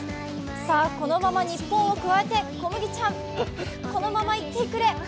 さあ、このまま日本をくわえてコムギちゃん、このまま、いってくれ。